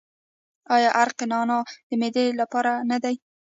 آیا عرق نعنا د معدې لپاره نه دی؟